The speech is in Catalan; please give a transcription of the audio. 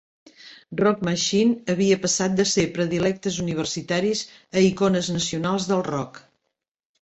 Rock Machine havia passat de ser "predilectes universitaris" a icones nacionals del rock.